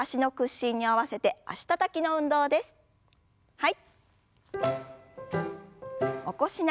はい。